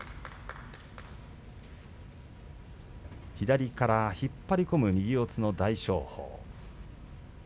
左から引っ張り込んで右四つの大翔鵬。